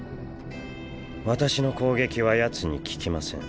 私の攻撃はヤツに効きません。